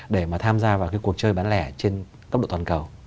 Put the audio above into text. để mà tham gia vào cái cuộc chơi bán lẻ trên tốc độ toàn cầu